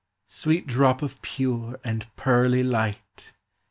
Sweet drop of pure and pearly light